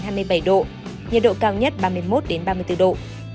nhiệt độ cao nhất ba mươi một ba mươi bốn độ